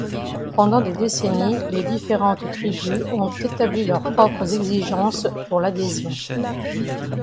Pendant des décennies, les différentes tribus ont établi leurs propres exigences pour l'adhésion.